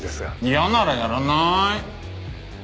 嫌ならやらなーい。